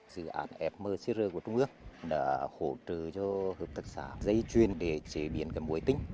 dự án fmcr của trung ương đã hỗ trợ cho hợp tạc xã dây chuyền để chế biến cái muối tinh